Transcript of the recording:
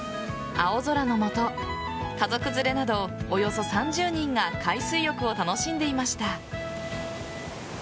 青空の下家族連れなどおよそ３０人が海水浴を楽しんでいました。